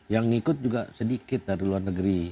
yang ikut juga sedikit dari luar negeri